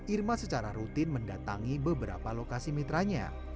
irma secara rutin mendatangi beberapa lokasi mitranya